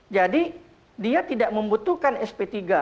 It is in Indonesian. jadi dia tidak membutuhkan sp tiga